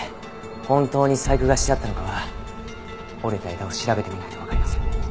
本当に細工がしてあったのかは折れた枝を調べてみないとわかりません。